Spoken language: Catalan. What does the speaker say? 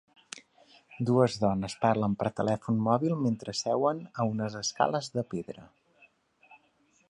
Dues dones parlen per telèfon mòbil mentre seuen a unes escales de pedra